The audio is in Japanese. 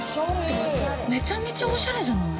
めちゃめちゃおしゃれじゃない？